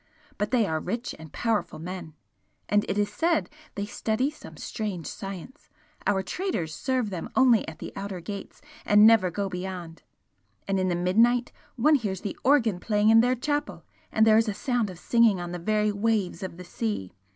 but they are rich and powerful men and it is said they study some strange science our traders serve them only at the outer gates and never go beyond. And in the midnight one hears the organ playing in their chapel, and there is a sound of singing on the very waves of the sea!